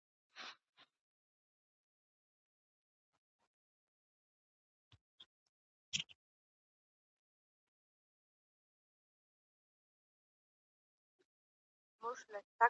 په لاس لیکلنه د زده کړي د بهیر تر ټولو باوري میتود دی.